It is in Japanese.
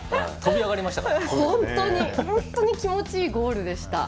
本当に気持ちいいゴールでした。